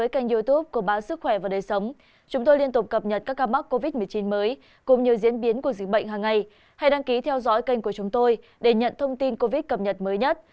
các bạn hãy đăng ký kênh của chúng tôi để nhận thông tin cập nhật mới nhất